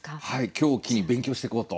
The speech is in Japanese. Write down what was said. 今日を機に勉強していこうと。